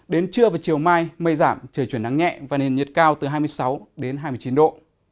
đến trưa và chiều mai mây giảm trời chuyển nắng nhẹ và nền nhiệt cao từ hai mươi sáu đến hai mươi chín độ